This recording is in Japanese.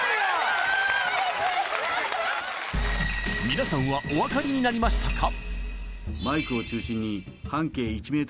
みなさんはお分かりになりましたか？